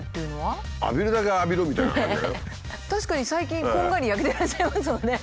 確かに最近こんがり焼けてらっしゃいますもんね。